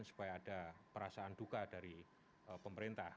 supaya ada perasaan duka dari pemerintah